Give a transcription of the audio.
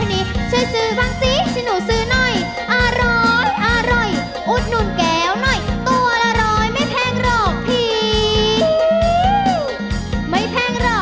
โน้ทโน้ททิวิต